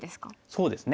そうですね。